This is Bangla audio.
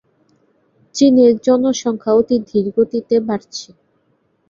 চীনের জনসংখ্যা অতি ধীরগতিতে বাড়ছে।